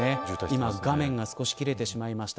今、画面が少し切れてしまいました。